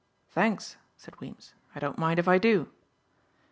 "Thanks," said Weems, "I don't mind if I do."